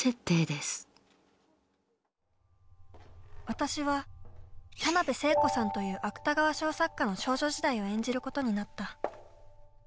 私は田辺聖子さんという芥川賞作家の少女時代を演じることになった。